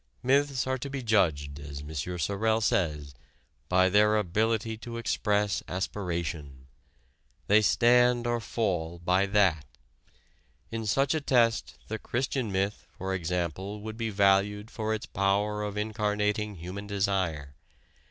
Myths are to be judged, as M. Sorel says, by their ability to express aspiration. They stand or fall by that. In such a test the Christian myth, for example, would be valued for its power of incarnating human desire.